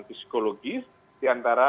psikologis di antara